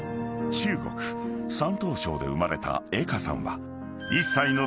［中国山東省で生まれた江歌さんは］